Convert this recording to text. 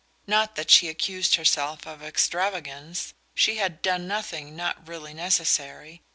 Not that she accused herself of extravagance: she had done nothing not really necessary.